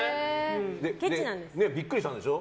ビックリしたんでしょ。